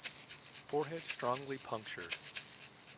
Forehead strongly punctured.